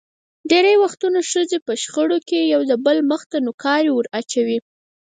ډېری وختونه ښځې په شخړو کې یو دبل مخ ته نوکارې ور اچوي.